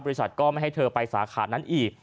ก็ไม่ให้เธอไปสาขานั้นอีก